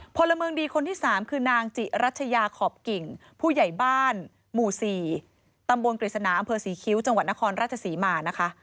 พลเมืองดีคนที่๓คือนางจิรัชยาขอบกิ่งผู้ใหญ่บ้านหมู่๔ตำบลกฤษณาอำเภอศรีคิ้วจังหวัดนครราชศรีมานะคะ